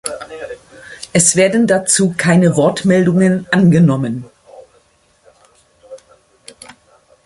Es werden dazu keine Wortmeldungen angenommen.